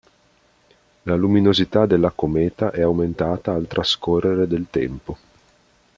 La luminosità della cometa è aumentata al trascorrere del tempo.